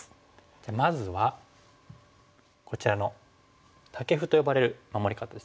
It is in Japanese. じゃあまずはこちらのタケフと呼ばれる守り方ですよね。